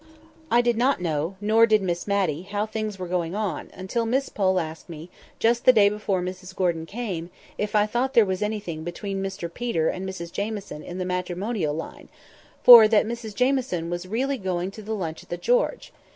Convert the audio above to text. I did not know, nor did Miss Matty, how things were going on, until Miss Pole asked me, just the day before Mrs Gordon came, if I thought there was anything between Mr Peter and Mrs Jamieson in the matrimonial line, for that Mrs Jamieson was really going to the lunch at the "George."